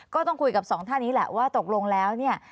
ก็ต้องคุยกับสองท่านนี้แหละว่าตกลงแล้วเนี่ย